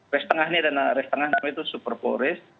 race tengahnya dan race tengahnya itu super bowl race